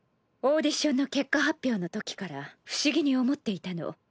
オーディションの結果発表のときから不思議に思っていたの。